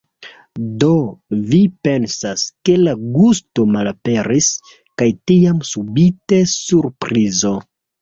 Do, vi pensas, ke la gusto malaperis kaj tiam subite surprizo